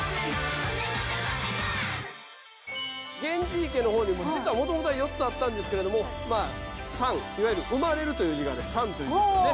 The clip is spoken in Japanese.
源氏池の方にも実はもともとは４つあったんですけれども「産」いわゆる産まれるという字が「産」という字ですよね。